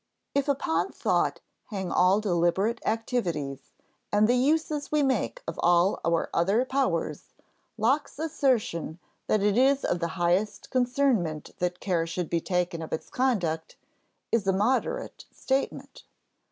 " If upon thought hang all deliberate activities and the uses we make of all our other powers, Locke's assertion that it is of the highest concernment that care should be taken of its conduct is a moderate statement.